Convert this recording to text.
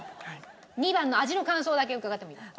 ２番の味の感想だけ伺ってもいいですか？